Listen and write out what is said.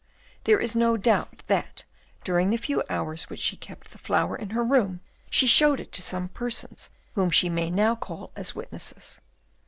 There is no doubt that, during the few hours which she kept the flower in her room, she showed it to some persons whom she may now call as witnesses.